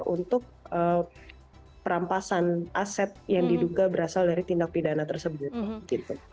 untuk perampasan aset yang diduga berasal dari tindak pidana tersebut